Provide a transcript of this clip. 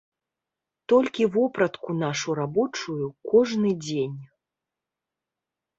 Толькі вопратку нашу рабочую кожны дзень.